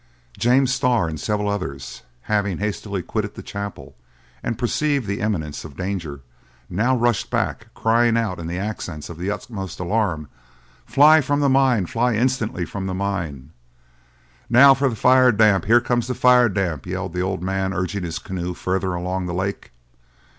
James Starr and several others, having hastily quitted the chapel, and perceived the imminence of the danger, now rushed back, crying out in accents of the utmost alarm, "Fly from the mine! Fly instantly from the mine!" "Now for the fire damp! Here comes the fire damp!" yelled the old man, urging his canoe further along the lake.